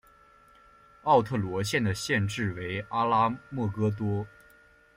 奥特罗县的县治为阿拉莫戈多。